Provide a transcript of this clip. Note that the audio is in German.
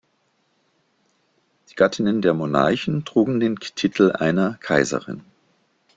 Die Gattinnen der Monarchen trugen den Titel einer Kaiserin.